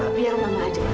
pak biar mama aja